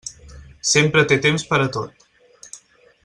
Sempre té temps per a tot.